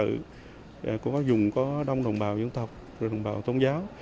những dự án luật trật tự cũng có dùng có đông đồng bào dân tộc đồng bào tôn giáo